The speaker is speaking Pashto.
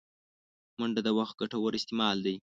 منډه د وخت ګټور استعمال دی